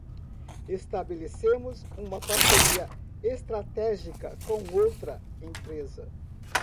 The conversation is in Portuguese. Estabelecemos uma parceria estratégica com outra empresa.